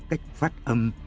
cách phát âm